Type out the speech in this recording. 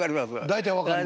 大体分かる。